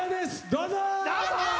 どうぞ！